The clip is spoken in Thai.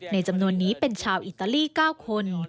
จำนวนนี้เป็นชาวอิตาลี๙คน